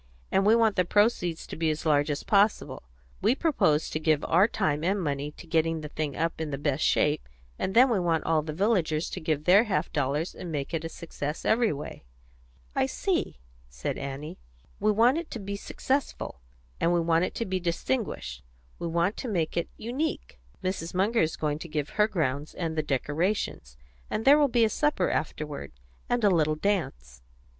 And we want the proceeds to be as large as possible. We propose to give our time and money to getting the thing up in the best shape, and then we want all the villagers to give their half dollars and make it a success every way." "I see," said Annie. "We want it to be successful, and we want it to be distinguished; we want to make it unique. Mrs. Munger is going to give her grounds and the decorations, and there will be a supper afterward, and a little dance."